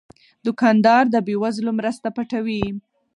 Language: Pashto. دوکاندار د بې وزلو مرسته پټوي.